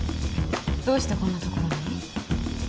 どうしてこんな所に？